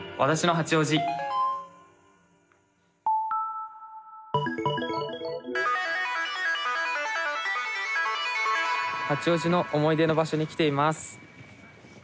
八王子の思い出の場所に来ています。